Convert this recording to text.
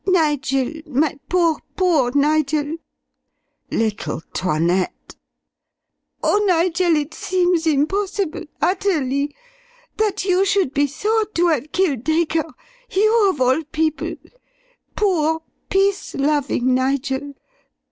"Nigel! My poor, poor Nigel!" "Little 'Toinette!" "Oh, Nigel it seems impossible utterly! That you should be thought to have killed Dacre. You of all people! Poor, peace loving Nigel!